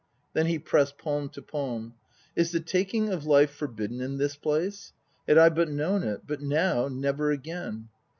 Then he pressed palm to palm. "Is the taking of life forbidden in this place? Had I but known it! But now, never again